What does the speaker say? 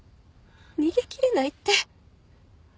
逃げ切れないって。